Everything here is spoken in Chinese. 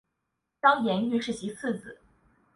张廷玉是其次子。